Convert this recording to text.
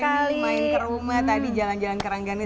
aku hari ini main ke rumah tadi jalan jalan keranggani